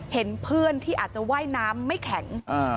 เห็นเพื่อนที่อาจจะว่ายน้ำไม่แข็ง